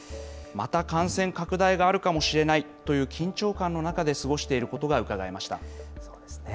また感染拡大があるかもしれないという緊張感の中で過ごしているそうですね。